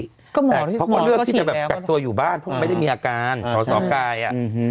เขาก็เลือกที่จะแบบกักตัวอยู่บ้านเพราะไม่ได้มีอาการสอสอกาย